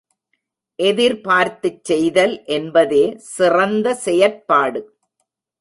எதிர்பார்த்துச் செய்தல் என்பதே சிறந்த செயற்பாடு.